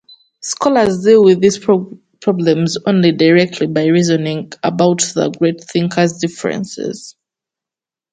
Scholars deal with these problems only indirectly by reasoning about the great thinkers' differences.